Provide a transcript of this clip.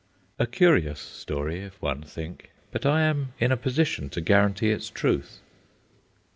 A curious story, if one think, but I am in a position to guarantee its truth.